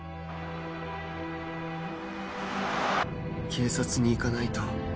警察に行かないと